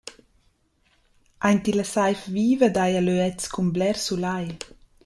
Aint illa saiv viva daja löets cun bler sulai.